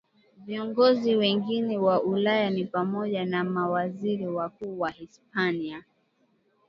Viongozi wengine wa Ulaya ni pamoja na Mawaziri Wakuu wa Hispania